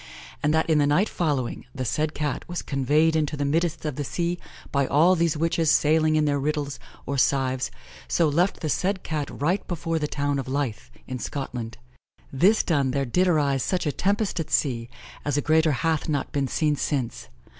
and that in the night following, the said Cat was conveyed into the middest of the sea by all these witches sayling in their riddles, or cives, so left the said Cat right before the towne of Leith, in Scotland. This done, there did arise such a tempest at sea, as a greater hath not been seen since.